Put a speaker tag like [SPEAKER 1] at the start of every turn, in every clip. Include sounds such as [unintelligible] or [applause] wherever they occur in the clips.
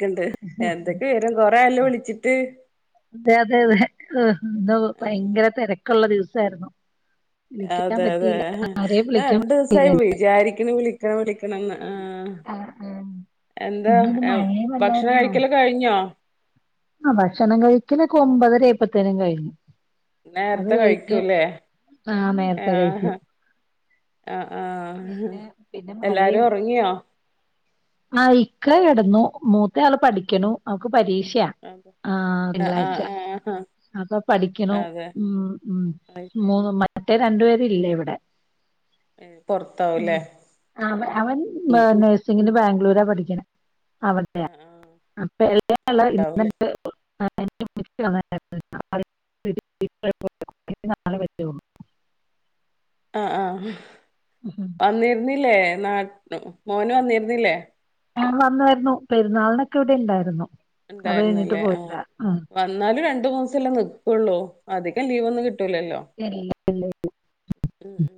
[SPEAKER 1] ക്കണ്ട് എന്തൊക്കെ വിവരം കൊറേ ആയല്ലോ വിളിച്ചിട്ട്.
[SPEAKER 2] അതെ അതെ അതെ ഹ് ഇന്ന് ഭയങ്കര തെരക്ക്ള്ള ദിവസായിരുന്നു. വിളിക്കാൻ
[SPEAKER 1] അതെ അതെ
[SPEAKER 2] പറ്റിയില്ല.
[SPEAKER 1] ഹെ
[SPEAKER 2] ആരെയും
[SPEAKER 1] ഞാ
[SPEAKER 2] വിളിക്കാൻ
[SPEAKER 1] രണ്ടുസായി വിചാരിക്ക്ണ് വിളിക്കണം വിളിക്കണംന്ന്. ആ
[SPEAKER 2] ആഹ് ആഹ്
[SPEAKER 1] എന്താ
[SPEAKER 2] ഇന്നിത്
[SPEAKER 1] എ ഭക്ഷണം കഴിക്കല് കഴിഞ്ഞോ?
[SPEAKER 2] ആ ഭക്ഷണം കഴിക്കലൊക്കെ ഒമ്പതരെയെപ്പേത്തിനു കഴിഞ്ഞു. അത്
[SPEAKER 1] നേരത്തെ
[SPEAKER 2] കഴിഞ്ഞു
[SPEAKER 1] കഴിക്കൂല്ലേ
[SPEAKER 2] ആ നേരത്തെ കഴിക്കും.
[SPEAKER 1] ആ ആ ആ ഹ്
[SPEAKER 2] പിന്നെ
[SPEAKER 1] എല്ലാരും ഒറങ്ങിയോ?
[SPEAKER 2] ആ ഇക്ക കെടന്നു. മൂത്ത ആള് പഠിക്ക്ണു അവൾക്ക് പരീക്ഷയാ ആ
[SPEAKER 1] ആ
[SPEAKER 2] തിങ്കളാഴ്ച.
[SPEAKER 1] ആ
[SPEAKER 2] അപ്പ പഠിക്കെണോ
[SPEAKER 1] അതെ
[SPEAKER 2] മ് മ്
[SPEAKER 1] അത് ശരി
[SPEAKER 2] മൂന്ന് മറ്റെ രണ്ട് പേര് ഇല്ല ഇവിടെ.
[SPEAKER 1] പൊറത്താവൂലേ
[SPEAKER 2] ആ അവ അവൻ മേ
[SPEAKER 1] ഉം ഉം
[SPEAKER 2] നഴ്സിങ്ങിന് ബാ ഗ്‌ളൂരാ പഠിക്ക്ണെ
[SPEAKER 1] ആ
[SPEAKER 2] അവിടെയ
[SPEAKER 1] ആ
[SPEAKER 2] അപ്പ എളയ ആള്
[SPEAKER 1] അവിടാവൂലേ
[SPEAKER 2] [unintelligible] ആ ഇഞ്ഞ് നാളെ പറ്റൊള്ളു.
[SPEAKER 1] ആ ആ വന്നിര്ന്നില്ലേ? നാട്ട മോന് വന്നിര്ന്നില്ലേ?
[SPEAKER 2] ആ വന്നായിരുന്നു. പെരുന്നാളിനൊക്കെ ഇവിടെ ഇണ്ടായിരുന്നു.
[SPEAKER 1] ഇണ്ടായിര്ന്ന്ല്ലേ ആ വന്നാലും ര ണ്ട് മൂസല്ലേ നിക്ക്ള്ളൂ. അധികം ലീവ് ഒന്നും കിട്ടൂലല്ലോ.
[SPEAKER 2] ഇല്ലേ
[SPEAKER 1] ഉം ഉ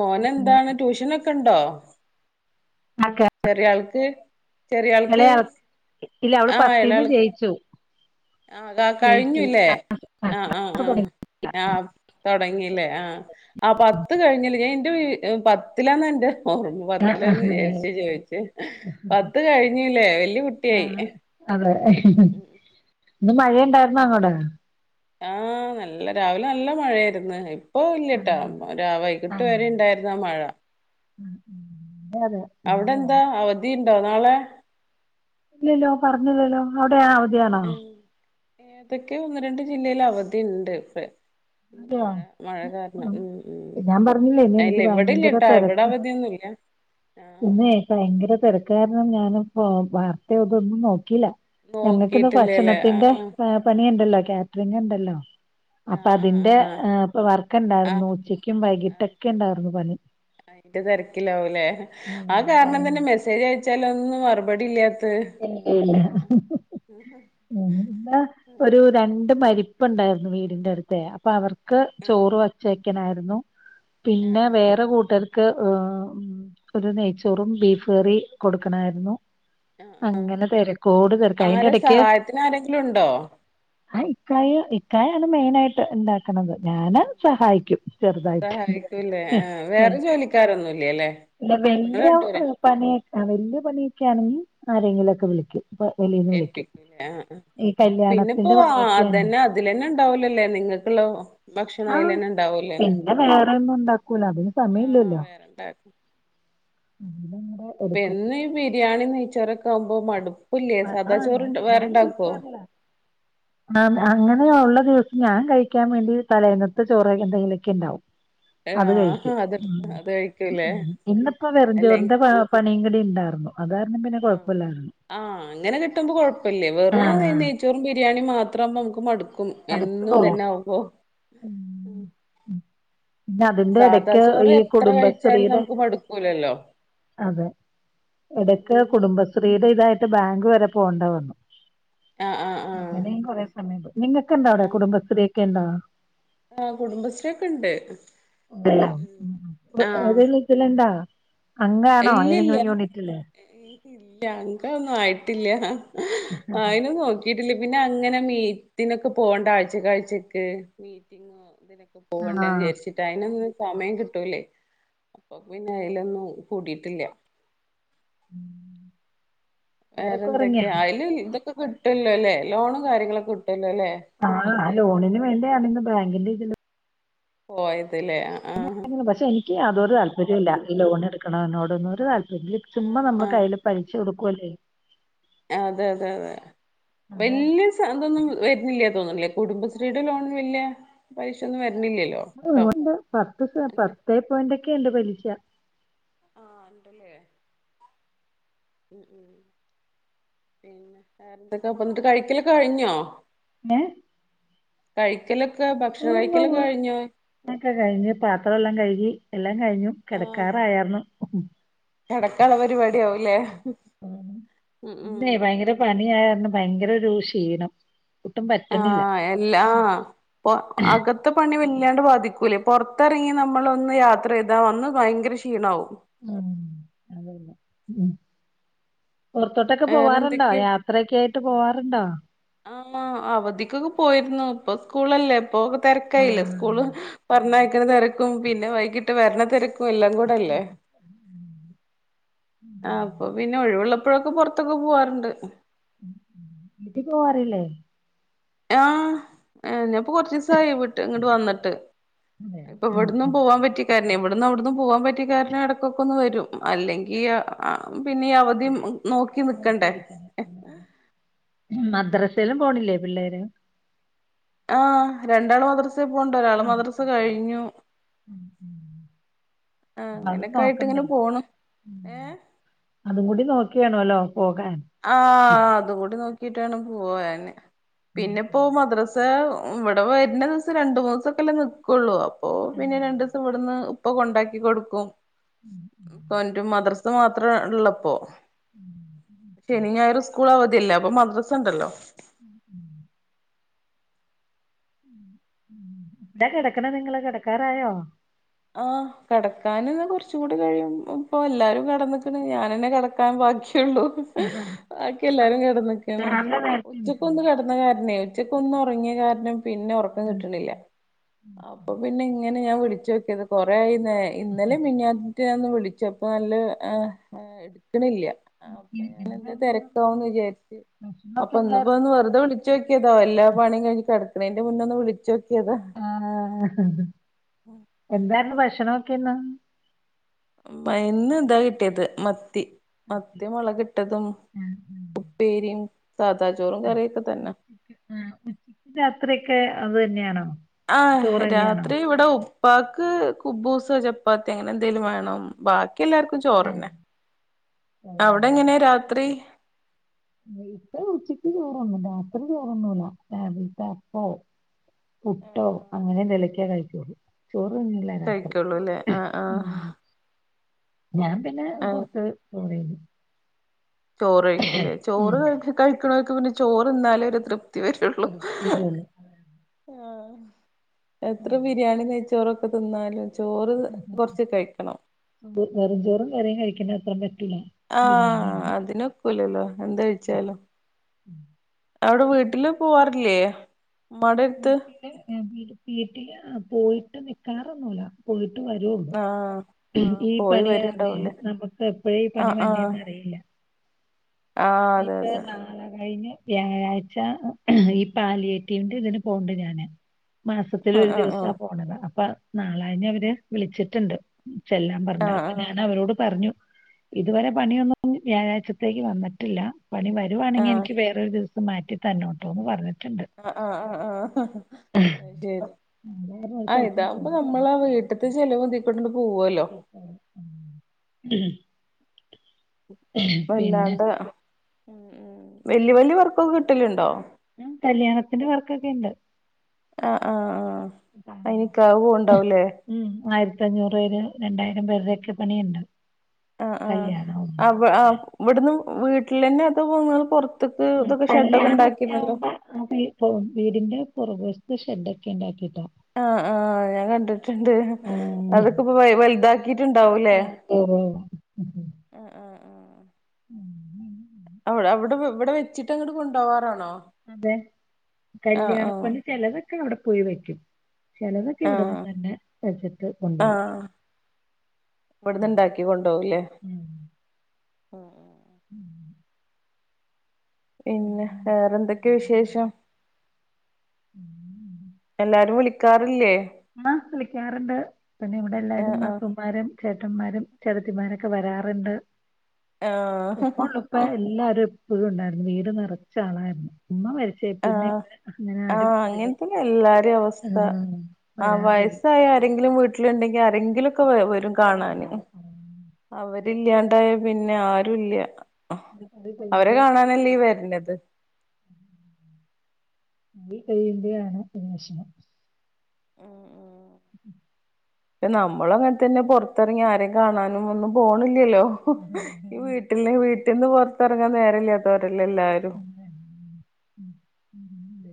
[SPEAKER 1] മോന് എന്താണ് ട്യൂഷനൊക്കെ ഇണ്ടോ?
[SPEAKER 2] ആക്കെ
[SPEAKER 1] ചെറിയ ആൾക്ക് ചെറിയ ആൾക്ക്
[SPEAKER 2] ഇളയാൾക്ക് ഇല്ല അവള് പത്തീന്ന് ജയിച്ചു.
[SPEAKER 1] ആ ക
[SPEAKER 2] ജയിച്ചു.
[SPEAKER 1] കഴിഞ്ഞുല്ലേ? ആ
[SPEAKER 2] ക്ലാസ്
[SPEAKER 1] ആ ആ
[SPEAKER 2] തുടങ്ങി.
[SPEAKER 1] ആ തൊടങ്ങില്ലേ ആ ആ പത്ത് കഴിഞ്ഞ്ലെ ഇന് [unintelligible] പത്തിലാന്നന്റെ ഓർമ പത്തിലാന്ന് വിചാരിച്ച് ചോയി ച്ചെ പത്ത് കഴിഞ്ഞ്ലെ വല്യ കുട്ടി ആയി.
[SPEAKER 2] ഹ് ഹ് ഇന്ന് മഴയുണ്ടായിര്ന്നോ അങ്ങോട്?
[SPEAKER 1] ആ നല്ല രാവിലെ നല്ല മഴയായിര്ന്നു. ഇ പ്പോ ഇല്ലട്ടാ രാ
[SPEAKER 2] ആ
[SPEAKER 1] വൈകിട്ട്
[SPEAKER 2] അതെ
[SPEAKER 1] വരെ ഇണ്ടായിര്ന്ന് ആ മഴ.
[SPEAKER 2] അതെ
[SPEAKER 1] അവിടെ എന്താ
[SPEAKER 2] അങ്ങനെയായിരുന്നു.
[SPEAKER 1] അവധിണ്ടോ നാളെ?
[SPEAKER 2] ഇല്ലല്ലോ പറഞ്ഞില്ലല്ലോ അവിടെയാ അവധിയാണോ?
[SPEAKER 1] ഏതെക്കെ ഒന്ന് രണ്ട് ജില്ലേൽ അവധിണ്ട് ഇപ്പെ.
[SPEAKER 2] അതെയോ?
[SPEAKER 1] മഴ മഴ കാരണം ഉം ഉം
[SPEAKER 2] ഞാൻ പറഞ്ഞില്ലേ ഇന്ന്
[SPEAKER 1] ഇല്ല
[SPEAKER 2] എനിക്ക്
[SPEAKER 1] ഇവിടെല്ലട്ടാ ഇവിടെ അവധിയൊന്നും ഇല് ല്ലാ
[SPEAKER 2] ഇന്നെ ഭയങ്കര തെരക്ക്ക്കാരണം ഞാനിപ്പോ വാർത്തെതൊന്നും നോക്ക ക്കില്ല. ഞങ്ങക്കിന്ന്
[SPEAKER 1] നോക്കിട്ടില്ലല്ലേ
[SPEAKER 2] ഭക്ഷണത്തിന്റെ
[SPEAKER 1] ആഹ്
[SPEAKER 2] എ പണിയിണ്ടല്ലോ കാറ്ററിങ് ഇണ്ടല്ലോ. അപ്പ
[SPEAKER 1] ആഹ് ആഹ്
[SPEAKER 2] അതിന്റെ
[SPEAKER 1] ആഹ്
[SPEAKER 2] ഏ അപ്പ
[SPEAKER 1] ആഹ്
[SPEAKER 2] വർക്ക്ണ്ടായിരുന്നു. ഉച്ചക്കും
[SPEAKER 1] ആഹ് ആഹ്
[SPEAKER 2] വൈകിട്ടൊക്കെ
[SPEAKER 1] ശരി
[SPEAKER 2] ഇണ്ടായിരുന്നു പണി.
[SPEAKER 1] അയിന്റെ തിരക്കിലാവൂല്ലേ ആ
[SPEAKER 2] ഉം
[SPEAKER 1] കാരണം
[SPEAKER 2] ഭയ-
[SPEAKER 1] തന്നെ മെസ്സേജ് അയച്ചാലൊന്നും മറുപടി ഇല്ലാ
[SPEAKER 2] ഇല്ല, ഇല്ല ഹ് ഹ് ഹ് എന്താ ഒരു
[SPEAKER 1] ആഹ്
[SPEAKER 2] രണ്ട് മരി പ്പ്ണ്ടായിരുന്നു വീടിന്റെ അടുതേ അപ്പൊ അവർക്ക് ചോറ് വച്ചക്കാനായിരുന്നു
[SPEAKER 1] ആഹ്
[SPEAKER 2] പിന്നെ
[SPEAKER 1] ആഹ്
[SPEAKER 2] വേറെ കൂട്ടർ ക്ക് ഒരു നെയ്ച്ചോറും ബീഫ് കറി കൊടുക്കണായിരുന്നു
[SPEAKER 1] ആഹ് ആഹ്
[SPEAKER 2] അങ്ങനെ തെരക്കോട് തെരക്ക്
[SPEAKER 1] ആരാ
[SPEAKER 2] അയിന്റെടക്ക്
[SPEAKER 1] സഹായത്തിന് ആരെങ്കിലും ഉണ്ടോ
[SPEAKER 2] ആ, ഇക്കായ ഇക്കായണ് മെയിനായിട്ട് ഇണ്ട ഞാന് സഹായിക്കും ചെറുതായിട്ട്
[SPEAKER 1] സഹായിക്കൂല്ലേ ആഹ് വേറെ ജോലിക്കാരൊന്നുംല്ലല്ലേ
[SPEAKER 2] ല്ല
[SPEAKER 1] നിങ്ങൾ
[SPEAKER 2] വല്യ
[SPEAKER 1] രണ്ടുപേരെ
[SPEAKER 2] എ പണിയൊ വല്യ പണിയൊക്കാണെങ്കി ആരെങ്കിലൊക്കെ വിളിക്കും ഇപ്പൊ വെളീന്ന് വിളിക്കും
[SPEAKER 1] ഏൽപ്പിക്കും ലേ അ അ
[SPEAKER 2] ഈ
[SPEAKER 1] പിന്നെപ്പോ
[SPEAKER 2] കല്യാണത്തിന്റെ
[SPEAKER 1] അ
[SPEAKER 2] പണിയൊക്കെയാണെങ്കി
[SPEAKER 1] അതെന്നെ അതിലെന്നെ ണ്ടാവോലൊലേ നിങ്ങ ങ്ങെക്കുള്ള ഭക്ഷണം അയ്ലെന്നെ ണ്ടാവുല്ലേ ല്ലേ
[SPEAKER 2] അതൊന്നും ണ്ടാക്കൂല അതിന് സമയല്ലല്ലോ
[SPEAKER 1] വേറെണ്ടാക്കും
[SPEAKER 2] അതിലങ്ങട്
[SPEAKER 1] അപ്പൊ
[SPEAKER 2] എടുക്കും
[SPEAKER 1] എന്നും ഈ ബിരിയാണിമ് നെയ്ചോറെക്കെ ആവുമ്പോ മട്
[SPEAKER 2] [unintelligible] അങ്ങനെയ ഒള്ള, ദിവസം ഞാൻ കഴിക്കാൻ വേണ്ടി തലേന്നത്ത് ചോറ് എന്തെങ്കിലൊക്കെ ഇണ്ടാവും അത്
[SPEAKER 1] ആഹ്
[SPEAKER 2] കഴിക്കും
[SPEAKER 1] അതെടുത്ത് അത് കഴിക്കൂലേ
[SPEAKER 2] ഇന്നിപ്പോ
[SPEAKER 1] അല്ലെ
[SPEAKER 2] വെറുംചോറിന്റെ പണി ഉണ്ടായിരുന്നു അതാരുന്നു പിന്നെ കുഴപ്പല്ലായിരുന്നു
[SPEAKER 1] ആ അങ്ങനെ കിട്ടുമ്പോ കൊഴപ്പല്ലേ വെറും ഈ
[SPEAKER 2] ആഹ്
[SPEAKER 1] നെയ്ച്ചോറും ബിരിയാണി മാത്രമ്പോ നമുക്ക് മടുക്കു ക്കും
[SPEAKER 2] മടുപ്പ്
[SPEAKER 1] എന്നും
[SPEAKER 2] തോന്നും
[SPEAKER 1] ഇതെന്നാവുമ്പോ
[SPEAKER 2] പിന്ന അതിന്റെ എടക്ക് ഈ
[SPEAKER 1] എത്ര കഴിച്ചാലും
[SPEAKER 2] കുടുംബശ്രീയുടെ
[SPEAKER 1] നമുക്ക് മടുക്കൂലല്ലോ
[SPEAKER 2] അതെ
[SPEAKER 1] ഉം
[SPEAKER 2] ഇടക്ക്
[SPEAKER 1] ഉം ഉം
[SPEAKER 2] കുടുംബശ്രീയുടെ ഇതായി ട്ട് ബാങ്ക് വരെ പോണ്ടെവന്നു
[SPEAKER 1] ആഹ് ആഹ് ആഹ്
[SPEAKER 2] അങ്ങനേം കൊറേ സമയം പോയ്‌ നിങ്ങക്കിണ്ടാ അവിടെ കുടുംബശ്രീയൊക്കെ ഇണ്ടോ
[SPEAKER 1] ആ കുടുംബശ്രീയൊക്കെ ണ്ട്
[SPEAKER 2] ഉണ്ടല്ലോ
[SPEAKER 1] ആഹ
[SPEAKER 2] ഏതെങ്കിലും ഇതിലുണ്ടോ അംഗാണോ
[SPEAKER 1] ഇല്ലല്ല
[SPEAKER 2] ഏതെങ്കിലും യൂണിറ്റില്
[SPEAKER 1] ഇല്ല അങ്കൊന്നും ആയിട്ടില്ല ആയിന് നോക്കീ പിന്നെ അങ്ങനെ മീറ്റിനൊക്കെ പോണ്ടെ ആഴ്ചകാഴ്ചക്ക് പോവണ്ടെന്ന്
[SPEAKER 2] ആഹ്
[SPEAKER 1] ചാരിച്ചിട്ട് അയ്നൊന്നും സമയം കിട്ടൂലേ അപ്പൊ പിന്നെ അയ്ലൊന്നും കൂടിട്ടില്ല വേറെ
[SPEAKER 2] അവരൊക്കെ ഒറങ്ങിയോ
[SPEAKER 1] എന്തൊക്കെയാ അയ്ല് ഇതൊക്കെ കിട്ടല്ലോ ല്ലേ ലോണും കാര്യങ്ങളൊക്കെ കിട്
[SPEAKER 2] ആ ആ ലോണിന് വേണ്ടിയാണ് ഇന്ന് ബാങ്കിന്റെ ഇതി
[SPEAKER 1] പോയത് ലേ
[SPEAKER 2] ക്കയാതോരു താല്പര്യോല്ലാ ഈ ലോൺ ഇട്ക്ക്ണതോടൊന്നഉം ഒരുതാൽ ചുമ്മാ നമ്മളെ
[SPEAKER 1] ആഹ്
[SPEAKER 2] കയ്യില് പലിശ ക്കുഅല്ലേ
[SPEAKER 1] അതെ അതെ അതെ
[SPEAKER 2] അത്
[SPEAKER 1] വല്യ സ തൊന്നും വരുന്നില്ല തോന്ന്നില്ലേ കുടുംബശ്രീയുടെ ലോൺ വല്യ പൈസൊന്നും വര്
[SPEAKER 2] ണ്ട് പത്ത്
[SPEAKER 1] ഉണ്ട്
[SPEAKER 2] പത്തേ പോയിന്റൊക്കെ യിണ്ട് പലിശ
[SPEAKER 1] ആഹ് ഉണ്ടല്ലേ ഉം ഉം എന്നിട്ട് വേറെന്തൊക്കെ പ്പൊന്നിട്ട് കഴിക്കലൊക്ക കഴിഞ്ഞോ
[SPEAKER 2] ഏ
[SPEAKER 1] കഴി
[SPEAKER 2] ഏ,
[SPEAKER 1] ഭക്ഷണം
[SPEAKER 2] ഉവ്വ്
[SPEAKER 1] കഴിക്കലൊക്കെ
[SPEAKER 2] ഉവ്വ്.
[SPEAKER 1] കഴിഞ്ഞോ
[SPEAKER 2] ഒക്കെ കഴിഞ്ഞ് പാത്രം എല്ലാം കഴുകി എല്ലാം കഴിഞ്ഞു
[SPEAKER 1] ആഹ്
[SPEAKER 2] കെടക്കാറായരുന്നു
[SPEAKER 1] കെടക്കാള്ള പരിപാടി ആവുംല്ലേ ഉം
[SPEAKER 2] ന്നേ
[SPEAKER 1] ഉം
[SPEAKER 2] ഭയങ്കര പണി ഭയങ്കരൊരു ക്ഷീണം ഒട്ടും പറ്റണില്ല
[SPEAKER 1] ആഹ എല് ആ പൊ അകത്ത പണി ല്ലാണ്ട് ബാധിക്കൂല്ലേ പുറത്തിറങ്ങി, നമ്മളൊന്ന് യാത്ര ചെയ്താൽ വന്ന് ഭയര ക്ഷീമാകവും
[SPEAKER 2] ഉ അതല്ല ഉ പുറത്തോട്ടൊക്കെ പോവാറുണ്ടോ
[SPEAKER 1] വേറെന്തൊക്കെ
[SPEAKER 2] യാത്രയൊക്കെ ആയിട്ട് പോവാറുണ്ടോ
[SPEAKER 1] ആ അവധിക്കൊക്കെ പോയിരുന്നു ഇപ്പൊ സ്കൂളല്ലേ പോ
[SPEAKER 2] ആ.
[SPEAKER 1] തിരക്കായില്ല സ്കൂള് പറയക്കണ തിരക്കും പിന്നെ വൈകിട്ട് വരണ തിരക്കും എല്ലാം കൂടെല്ലേ
[SPEAKER 2] ഉം.
[SPEAKER 1] ആ അപ്പൊ പിന്നെ ഒഴിവുള്ള ഇപ്പോഴൊക്കെ പുറത്തൊക്കെ പോവാറുണ്ട്
[SPEAKER 2] വീട്ടി പോവാറില്ലേ
[SPEAKER 1] ആഹ ആ ഞപ്പൊ കൊറച്ച് ദിവസ ആയി വിട്ട് ഇങ്ങോട്ട് വന്നിട്ട്
[SPEAKER 2] അതെ
[SPEAKER 1] ഇപ്പൊ
[SPEAKER 2] ഉം
[SPEAKER 1] എവിട്ന്നും
[SPEAKER 2] ഉം
[SPEAKER 1] പോവാൻ പറ്റി പിന്നെ ഇവിടന്ന് അവിട്ന്നും പോകാൻ പറ്റിയ കാരണം ഇടക്കൊക്കെ ഒന്ന് വരും അല്ലെങ്കിൽ പിന്നെ അവധി നോക്കി നിക്കണ്ടേ
[SPEAKER 2] നോക്കിയിരിക്കണം അതെ, അതെ. [unintelligible] പോണില്ലേ പിള്ളേര്
[SPEAKER 1] ആഹ രണ്ടാള് മ സ് പോവ്ണ്ട് ഒരാള്
[SPEAKER 2] അതെ
[SPEAKER 1] മദ്രസ് കഴിഞ്ഞു ആഹ്
[SPEAKER 2] അത്
[SPEAKER 1] അങ്ങനെയൊക്കെ ആയിട്ട്
[SPEAKER 2] നോക്കണ്ടേ
[SPEAKER 1] ഇങ്ങനെ പോണു ഏഹ്
[SPEAKER 2] അതും കൂടി നോക്കി വേണല്ലോ
[SPEAKER 1] ആഹ അതുകൂടി നോക്കിയിട്ടാണ് പോവെ
[SPEAKER 2] ഉം
[SPEAKER 1] പിന്നെപ്പോ
[SPEAKER 2] ഉം
[SPEAKER 1] മദ്രസ് [unintelligible] ഇവിടെ വരുന്ന ദിവസം രണ്ട മൂന്നൊസൊക്കെല്ലേ നിക്കുള്ളൂ അപ്പോ പിന്നെ
[SPEAKER 2] ആഹ്
[SPEAKER 1] രണ്ടു ദിവസം ഇവിടുന്ന് ഇപ്പ കൊണ്ടാക്കി കൊടുക്കും
[SPEAKER 2] ഉം ഉം
[SPEAKER 1] അത് മാത്രേ ഉള്ളപ്പോ
[SPEAKER 2] ഉം
[SPEAKER 1] ശനി ഞായറും സ്കൂൾ അവധിയല്ലേ അപ്പൊ മദ്രസ ഉണ്ടല്ലോ
[SPEAKER 2] ഉ ഉം ന്താ കിടക്കണ നിങ്ങള് കിടക്കാറായോ
[SPEAKER 1] ആ കടക്കൻന്ന് കുറച്ച കൂടി കഴിയും ഇപ്പൊ എല്ലാരും കടന്ന്ക്ക്ണ് ഞാനന്നെ കിടക്കാൻ ബാക്കി ള്ള
[SPEAKER 2] ആഹാ.
[SPEAKER 1] ബാക്കി
[SPEAKER 2] അപ്പൊ
[SPEAKER 1] എല്ലാരും കിടന്നക്ക്ണ്
[SPEAKER 2] രാവിലെ നേരത്തെ
[SPEAKER 1] ഉച്ചക്ക്
[SPEAKER 2] എണീക്കോ
[SPEAKER 1] ഒന്ന് കിടന്ന കാരണേ ച്ചക്ക ഒന്നും ഉറങ്ങിയ കാരണം പിന്നെ ഉറക്കം കിട്ടണില്ല അപ്പൊ പിന്നെ ഇങ്ങനെ ഞാൻ വിളിച്ച ത് കൊറ ആയി ഇന്നലെ മി റ്റൊന്ന് വിളിച്ചപ്പൊ നല്ല എടുക്കണില്ല ആ അപ്പൊ
[SPEAKER 2] ഇ-
[SPEAKER 1] ഞാന എന്താ
[SPEAKER 2] എന്തായിരുന്നു ഇന്ന്
[SPEAKER 1] തിരക്കാവന്ന് വിചാരിച്ചു അപ്പൊ
[SPEAKER 2] ഭക്ഷണമൊക്കെ
[SPEAKER 1] ഇന്ന്പ്പോ
[SPEAKER 2] എന്തായിരുന്നു
[SPEAKER 1] ഇന്ന് വെറുതെ വിളിച്ചോക്കിയതാ എല്ലാ പണിയും കഴിഞ്ഞ് കിടക്കണയ്ന്റെ മുന്നെ ഒന്ന് വിളിച്ചോക്കി
[SPEAKER 2] ആ എന്തായിരുന്നു ഭക്ഷണം ഒക്കെന്ന്
[SPEAKER 1] ഇന്ന് ഇതാ കിട്ടിയത് മ ത്തി
[SPEAKER 2] മത്തി
[SPEAKER 1] മത്തിമൊളകിട്ടതും
[SPEAKER 2] ആഹ് ആഹ്
[SPEAKER 1] ഉപ്പേരിയും സാദാ ചോറും കറിയൊക്കെ തന്നെ
[SPEAKER 2] ഉച്ചക്ക് ആ ഉച്ചക്ക് രാത്രിയൊക്കെ അത് തന്നെയാണോ ചോറ്
[SPEAKER 1] ആഹ്
[SPEAKER 2] തന്നെയാണോ?
[SPEAKER 1] രാത്രി ഇവിടെ ഉ പാക്ക് കുബൂസോ ചപ്പാത്തി അങ്ങനെ എന്തെലും വേണം ബാ ക്കി എല്ലാർക്കും
[SPEAKER 2] ആ
[SPEAKER 1] ചോറന്നെ അവിടെ എങ്ങനെ രാത്രി
[SPEAKER 2] ന ഇപ്പ ഉച്ചക്ക് ചോ രാത്രി വേറൊന്നുല്ല രാവിൽത്തെ അപ്പോ, പുട്ടോ അങ്ങനെ എന്തേ ലൊക്കെ ക്കെ കഴിക്കുള്ളൂ ചോറ് തിന്നില്ല രാത്രി.
[SPEAKER 1] കഴിക്കുള്ളൂ അല്ലേ ആഹ ആ
[SPEAKER 2] ഉം. ഞാൻ പിന്നെ കൊറച്ച് ചോറെയ്ക്കും
[SPEAKER 1] ചോറ് കഴിക്കൂല്ലേ
[SPEAKER 2] ഉം.
[SPEAKER 1] ചോറ് കഴിക്ക്ണോൽക്ക് പിന്നെ ചോറ്ന്നാലെ ഒരു തൃപ് ത്തി വരുള്ളൂ
[SPEAKER 2] കുറച്ച് ചോറേ ഉള്ളൂ.
[SPEAKER 1] എത്ര ബിരിയാണി നെയ്ച്ചോറൊക്കെ തിന്നാലും ചോറ് കൊറച്ച് കഴിക്കണം
[SPEAKER 2] വെ- വെറും ചോറും കറിയും കഴിക്കുന്ന അത്ര പറ്റൂല. ബിരിയാണി
[SPEAKER 1] ആഹ
[SPEAKER 2] ഒന്നും.
[SPEAKER 1] അതിനൊക്കൂലല്ലോ എന്തഴിച്ചാലും അവിടെ വീട്ടില് പോവാറില്ലേ ഉമ്മാടെ അടുത്ത്
[SPEAKER 2] വീട്ടില് വീട്ടില് പോയിട്ട് നിക്കാറൊന്നൂല. പോയി ട്ട് വരൊള്ളൂ.
[SPEAKER 1] ആഹ് ആഹ്
[SPEAKER 2] ഈ
[SPEAKER 1] പോയി
[SPEAKER 2] പണിയാർഞ്ഞെ
[SPEAKER 1] വരുണ്ടാവൂലേ
[SPEAKER 2] നമുക്ക് എപ്പഴാ ഈ പണി
[SPEAKER 1] ആഹ്
[SPEAKER 2] വര്
[SPEAKER 1] ആഹ്
[SPEAKER 2] നേന്ന് അറിയില്ല. ഉ
[SPEAKER 1] ആഹ് അതെ
[SPEAKER 2] ഇപ്പൊ
[SPEAKER 1] അതെ
[SPEAKER 2] [unintelligible] കഴിഞ്ഞ വ്യാഴാഴ്ച്ച ഈ പാലിയേറ്റിവ്ന്റെ ഇതിന് പോവുണ്ട് ഞാന് മാസത്തില്
[SPEAKER 1] ആഹ്
[SPEAKER 2] ഒരു
[SPEAKER 1] ആഹ്
[SPEAKER 2] ദിവസാ
[SPEAKER 1] ആഹ്
[SPEAKER 2] പോണത് അപ്പൊ നാളാ ന്നെ അവര് വിളിച്ചിട്ടുണ്ട് ചെല്ലാം പറഞ്ഞാ.
[SPEAKER 1] ആഹ്
[SPEAKER 2] അപ്പൊ
[SPEAKER 1] ആഹ്
[SPEAKER 2] ഞാൻ അവരോട് പറഞ്ഞു ഇതുവരെ പണിയൊന്നും വ്യാഴാഴ്ചത്തേക്ക് വന്നി ട്ടില്ല. പണി വരുവാണെങ്കിൽ എനിക്ക് വേറൊരു ദിവസം മാറ്റി തര്നോട്ടോ ന്ന് പറ്ഞ്
[SPEAKER 1] ആഹ് ആഹ് ആഹ് ആഹ് അഹ് ശരി.
[SPEAKER 2] എന്തായാലും ഒരു
[SPEAKER 1] ആ
[SPEAKER 2] സ്ഥലത്തും
[SPEAKER 1] ഇതാവുമ്പ
[SPEAKER 2] പോന്നിട്ടില്ല.
[SPEAKER 1] നമ്മളെ വീട്ട്ത്തെ ചെലവും ഇതിക്കൂടാണ്ട്
[SPEAKER 2] ഉ ഉം പിന്നെ
[SPEAKER 1] വല്ലാണ്ട് ഉം ഉം വല്യ വല്യ വർക്കൊക്കെ കിട്ടലുണ്ടോ?
[SPEAKER 2] ആ കല്യാണത്തിന്റെ വർക്കൊക്കെണ്ട്.
[SPEAKER 1] ആ ആ ആ അയ്നിക്കാ അത് പോവ്ണ്ടാവൂലേ.
[SPEAKER 2] പത്തഞ്ഞൂറ് ഒര് രണ്ടായിരം പേര്ടെക്കെ പണിയുണ്ട്.
[SPEAKER 1] ആ ആ
[SPEAKER 2] കല്യാണമാകുമ്പോ
[SPEAKER 1] അ വ ഇവട്ന്ന് വീട്ട്ലന്നെ അത് ഇങ്ങൾ പൊർ
[SPEAKER 2] ഉം കല്യാണൊക്കെ ആവുമ്പ അതിപ്പോ വീടിന്റെ പുറക് വശത്ത് ശെഡ്ഡൊക്കെ ഉണ്ടാക്കിട്ട്
[SPEAKER 1] ആ ആ ഞാൻ കണ്ടിട്ട്ണ്ട്.
[SPEAKER 2] ഏഹ്
[SPEAKER 1] അതൊക്കെ ഇപ്പൊ വലുതാക്കിട്ടുണ്ടാവൂലേ.
[SPEAKER 2] ഓ ഓ ഉഹും
[SPEAKER 1] ആഹ്
[SPEAKER 2] ഉം
[SPEAKER 1] അവിടെ അവിടെ ഇവടെ വെച്ചിട്ട് അങ്ങോട്ട് കൊണ്ടോവാറാണോ?
[SPEAKER 2] അതെ
[SPEAKER 1] ആഹ്
[SPEAKER 2] കല്യാണപ്പണി ചിലതൊക്കെ അവിടെ പോയി വെക്കും. ചെലതൊക്കെ ഇവിടന്ന്
[SPEAKER 1] ആഹ്
[SPEAKER 2] തന്നെ വച്ചിട്ട് കൊണ്ടുപോകും.
[SPEAKER 1] ഇവട്ന്ന്
[SPEAKER 2] ഉം
[SPEAKER 1] ഇണ്ടാക്കി കൊണ്ടോവുല്ലേ. ഉ ഉം
[SPEAKER 2] ഉം, ഉം,
[SPEAKER 1] പിന്നെ
[SPEAKER 2] ഉം, ഉം,
[SPEAKER 1] വേറെന്തൊക്കെയാ വിശേഷം?
[SPEAKER 2] ഉം,
[SPEAKER 1] എല്ലാരും വിളിക്കാറില്ലേ?
[SPEAKER 2] ആ വിളിക്കാറുണ്ട്. പിന്നെ ഇവിടെ എല്ലാരും
[SPEAKER 1] ആഹ് ആഹ്
[SPEAKER 2] നാത്തൂമ്മാരും ചേട്ടന്മാരും ചേട്ടത്തിമാരൊക്കെ വരാറ്ണ്ട്. ഇപ്പ
[SPEAKER 1] ആഹ്
[SPEAKER 2] അപ്പെ എല്ലാരും പ്പഴും ഉണ്ടായിരുന്നു. വീട് നിറച്ച ആളായിരുന്നു. ഉമ്മ മര് ച്ചേ പിന്നെ
[SPEAKER 1] ആഹ്
[SPEAKER 2] അങ്ങനെ ആരും
[SPEAKER 1] ആഹ്
[SPEAKER 2] അധികം,
[SPEAKER 1] അങ്ങനത്തന്നെ
[SPEAKER 2] ആഹ്
[SPEAKER 1] ആ വയസ്സായി ആരെങ്കിലും വീട്ടിലുണ്ടെങ്കി ആരെങ്കിലു ഒക്കെ വരും
[SPEAKER 2] എപ്പോഴും
[SPEAKER 1] കാണാന്.
[SPEAKER 2] ഉണ്ടാവും
[SPEAKER 1] അവരില്ലാണ്ടായാ പിന്നെ ആരും ഇല്ല.
[SPEAKER 2] പിന്നെ പോയി
[SPEAKER 1] അവരെ
[SPEAKER 2] കഴിയുമ്പോ
[SPEAKER 1] കാണാനല്ലീ വര്നത്.
[SPEAKER 2] ഈ [unintelligible] വെഷമം.
[SPEAKER 1] ഉ ഉം
[SPEAKER 2] ഉ
[SPEAKER 1] നമ്മളു അങ്ങൻ തന്നെ. പൊറത്തിറങ്ങി ആരെയും കാണാനും ഒന്നും പോണി ല്ലല്ലോ. ഈ വീട്ടിൽ വീട്ടിൽന്ന് പുറത്തിറങ്ങാൻ നേരല്ലാത്തവരെല്ലേ എല്ലാരും.
[SPEAKER 2] ഉ ഉ അതെ.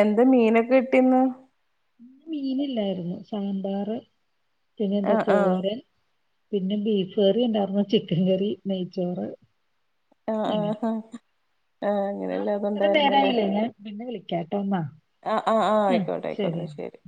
[SPEAKER 1] എന്താ മീനൊക്കെ കിട്ടി ന്ന്?
[SPEAKER 2] ഇന്ന് മീനില്ലായിരുന്നു. സാമ്പാർ പിന്നെ എൻ്റെ
[SPEAKER 1] ആഹ് ആഹ്
[SPEAKER 2] തോരൻ പിന്നെ ബീഫ് കറി ഉണ്ടായിർന്നു ചിക്കൻ കറി, നെയ്ച്ചോറ്
[SPEAKER 1] ആ ആ ഹാ
[SPEAKER 2] ന്നാ ഇത്രം നേരായില്ലേ ഞാൻ പിന്നെ വിളി
[SPEAKER 1] ആ ആഹ് ആഹ് ആയിക്കോട്ടെ ആയിക്കോട്ടെ ശരി.